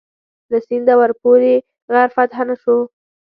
له سینده ورپورې غر فتح نه شو.